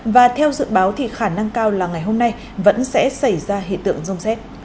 và theo dự báo thì khả năng cao là ngày hôm nay vẫn sẽ xảy ra hiện tượng rông xét